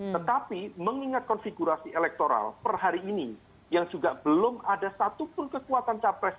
tetapi mengingat konfigurasi elektoral per hari ini yang juga belum ada satupun kekuatan capres